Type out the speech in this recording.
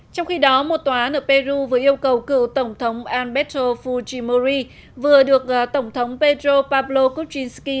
trong khi đó một tòa án ở peru vừa yêu cầu cựu tổng thống alberto fujimori vừa được tổng thống pedro pablo kuczynski